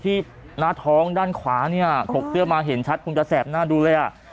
ที่หน้าท้องด้านขวาเนี่ยถกเสื้อมาเห็นชัดคุณจะแสบหน้าดูเลยอ่ะ